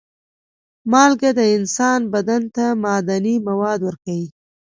مالګه د انسان بدن ته معدني مواد ورکوي.